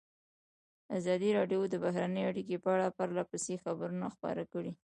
ازادي راډیو د بهرنۍ اړیکې په اړه پرله پسې خبرونه خپاره کړي.